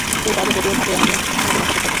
এই কাজের প্রতি ধাপে আমি তোমার সাথে থাকব।